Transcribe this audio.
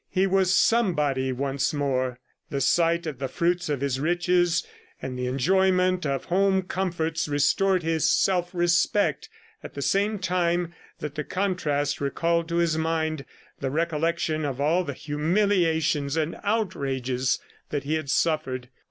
He was somebody once more. The sight of the fruits of his riches and the enjoyment of home comforts restored his self respect at the same time that the contrast recalled to his mind the recollection of all the humiliations and outrages that he had suffered.